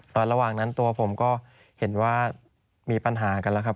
ระหว่างนั้นตัวผมก็เห็นว่ามีปัญหากันแล้วครับ